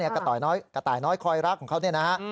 กระต่ายน้อยคอยรักของเขา